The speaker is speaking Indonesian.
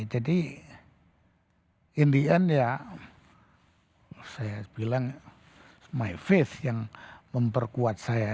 jadi in the end ya saya bilang my faith yang memperkuat saya